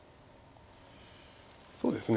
そうですね。